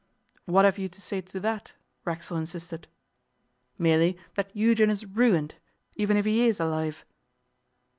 'What have you to say to that?' Racksole insisted. 'Merely that Eugen is ruined, even if he is alive.